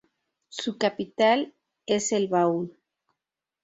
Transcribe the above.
Su capital es El Baúl.